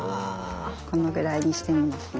このぐらいにしてみますね。